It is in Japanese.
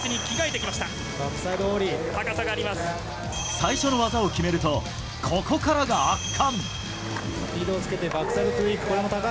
最初の技を決めるとここからが圧巻。